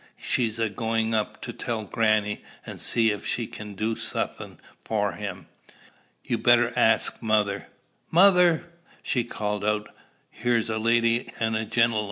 She's a going up to tell grannie, and see if she can't do suthin' for him. You better ast mother. Mother!" she called out "here's a lady an' a gen'lem'."